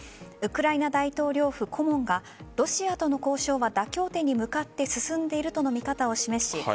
ウクライナ大統領府顧問がロシアとの交渉は妥協点に向かって進んでいるとの見方を示し